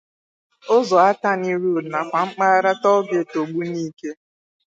ụzọ Atani road nakwa mpaghara 'Toll-Gate' Ogbunike.